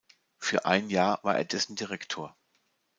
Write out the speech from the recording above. Für ein Jahr war er dessen Direktor.